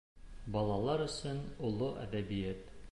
БАЛАЛАР ӨСӨН ОЛО ӘҘӘБИӘТ